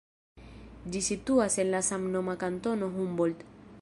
Ĝi situas en la samnoma kantono Humboldt.